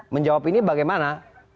menjawab ini bagaimana